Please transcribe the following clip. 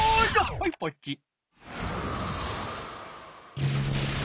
はいポチッ。